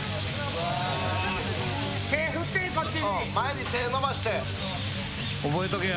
手振って、こっちに。